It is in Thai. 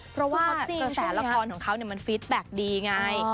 เพราะว่ากระแสละครของเขามันฟิตแบ็คดีไง